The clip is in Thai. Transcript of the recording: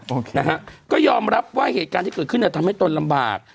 นะฮะก็ยอมรับว่าเหตุการณ์ที่เกิดขึ้นเนี่ยทำให้ตนลำบาก